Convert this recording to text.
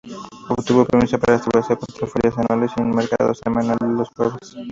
Obtuvo permiso para establecer cuatro ferias anuales y un mercado semanal los jueves.